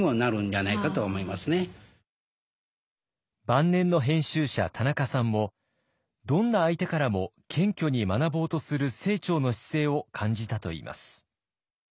晩年の編集者田中さんもどんな相手からも謙虚に学ぼうとする清張の姿勢を感じたといいます。